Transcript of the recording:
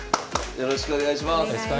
よろしくお願いします。